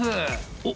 おっ！